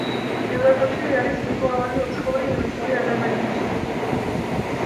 ევროკავშირი არის მნიშვნელოვანი უცხოური ინვესტორი აზერბაიჯანში.